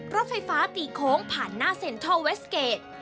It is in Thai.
รถไฟฟ้าตีโค้งผ่านหน้าเซ็นทรัลเวสเกจ